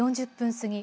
過ぎ